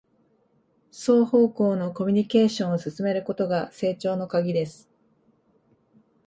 双方向のコミュニケーションを進めることが成長のカギです